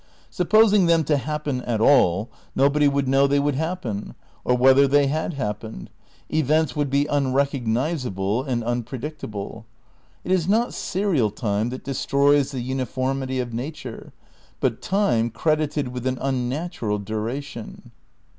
Supposing them to happen at all, no body would know they would happen, or whether they had happened ; events would be unrecognisable and un predictable. It is not serial time that destroys the uni formity of nature, but time credited with an unnatural duration.